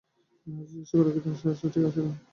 তিনি হাসতে চেষ্টা করেন, কিন্তু হাসি ঠিক আসে না।